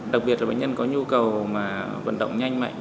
đặc biệt là bệnh nhân có nhu cầu mà vận động nhanh mạnh